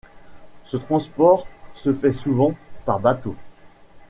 Ce transport se fait souvent par bateau.